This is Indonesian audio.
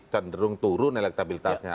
cenderung turun elektabilitasnya